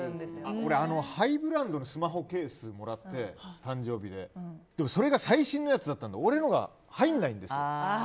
誕生日でハイブランドのスマホケースもらってそれが最新のやつだったので俺のが入らないんですよ。